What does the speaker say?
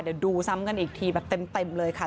เดี๋ยวดูซ้ำกันอีกทีแบบเต็มเลยค่ะ